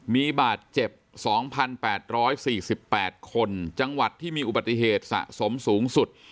มีบาดเจ็บสองพันแปดร้อยสี่สิบแปดคนจังหวัดที่มีอุบัติเหตุสะสมสูงสุด